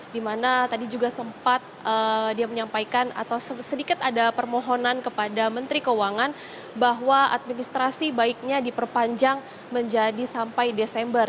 dimana tadi juga sempat dia menyampaikan atau sedikit ada permohonan kepada menteri keuangan bahwa administrasi baiknya diperpanjang menjadi sampai desember